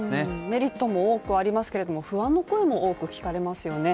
メリットも多くありますが不安の声も多く聞かれますよね。